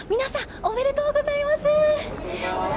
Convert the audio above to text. おめでとうございます！